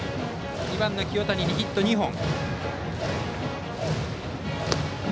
２番の清谷にはヒット２本。